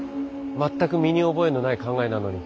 全く身に覚えのない考えなのに。